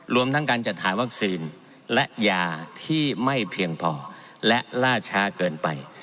รวมทั้งการจัดหาวัคซีนและยาที่ไม่เพียงพอและล่าช้าเกินไป